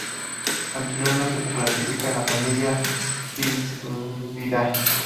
Anteriormente se clasificaba en la familia Sylviidae.